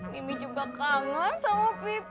mimih juga kangen sama pipi